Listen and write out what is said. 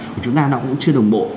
của chúng ta nó cũng chưa đồng bộ